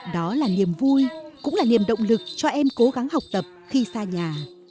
đó là niềm vui cũng là niềm động lực cho em cố gắng học tập khi xa nhà